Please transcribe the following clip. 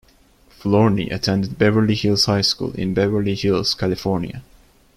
Flournoy attended Beverly Hills High School in Beverly Hills, California.